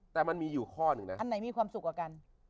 แต่มันมีอยู่ข้อหนึ่งนะอันไหนมีความสุขกว่ากัน